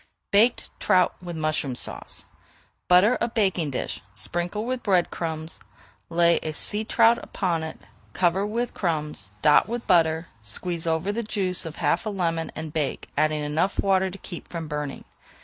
BAKED TROUT WITH MUSHROOM SAUCE Butter a baking dish, sprinkle with bread crumbs, lay a sea trout upon it, cover with crumbs, dot with butter, squeeze over the juice of half a lemon, and bake, adding enough water to keep from burning.